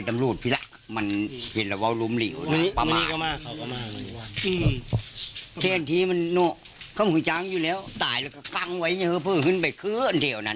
มึงมันตายที่แรกนะ